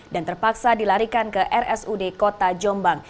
dan terpaksa dilarikan ke rsud kota jombang